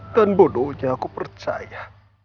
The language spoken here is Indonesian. dan bodohnya aku percaya